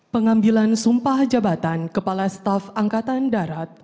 mengambil sumpah jabatan kepala staff angkatan darat